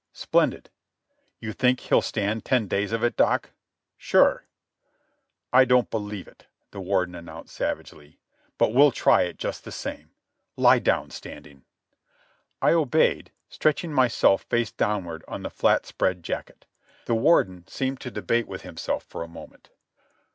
"Splendid." "You think he'll stand ten days of it, Doc.?" "Sure." "I don't believe it," the Warden announced savagely. "But we'll try it just the same.—Lie down, Standing." I obeyed, stretching myself face downward on the flat spread jacket. The Warden seemed to debate with himself for a moment.